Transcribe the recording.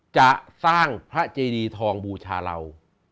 จะสร้างพระเจดีทองบูชาเรา